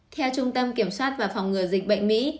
theo trung tâm kiểm soát và phòng ngừa dịch bệnh mỹ